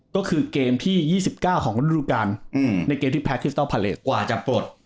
ก็คือเกมที่ยี่สิบเก้าของรูปการณ์อืมในเกมที่ปล่อยจะปลด